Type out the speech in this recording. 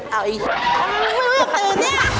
ใช่